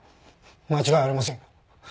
間違いありません。